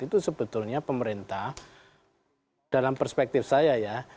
itu sebetulnya pemerintah dalam perspektif saya ya